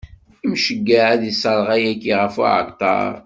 Imceyyeɛ ad isserɣ ayagi ɣef uɛalṭar.